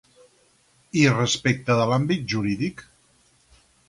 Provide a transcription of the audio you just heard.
I respecte de l'àmbit jurídic?